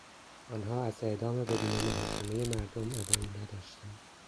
آنها از اعدام بدون محاکمهی مردم ابایی نداشتند.